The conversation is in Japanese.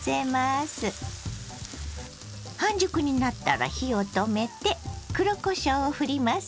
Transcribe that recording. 半熟になったら火を止めて黒こしょうをふります。